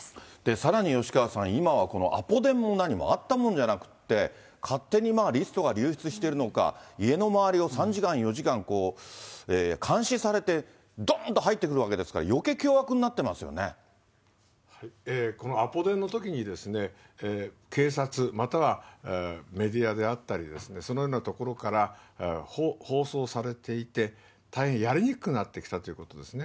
さらに吉川さん、今はアポ電も何もあったもんじゃなくって、勝手にリストが流出してるのか、家の周りを３時間、４時間、監視されて、どーんと入ってくるわけですから、このアポ電のときに、警察、またはメディアであったりですね、そのようなところから、放送されていて、大変やりにくくなってきたということですね。